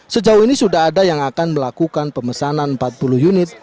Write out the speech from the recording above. sejauh ini sudah ada yang akan melakukan pemesanan empat puluh unit